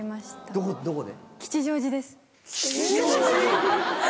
どこで？